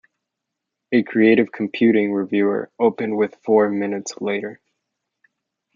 A "Creative Computing" reviewer opened with "Four minutes later.